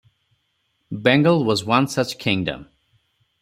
Bengal was one such kingdom.